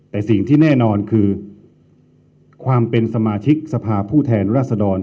แต่สิ่งที่แน่นอนคือความเป็นสมาชิกสภาพผู้แทนรัศดร